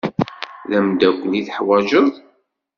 D amdakel i teḥwaǧeḍ.